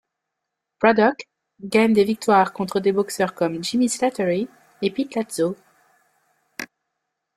Braddock gagne des victoires contre des boxeurs comme Jimmy Slattery et Pete Latzo.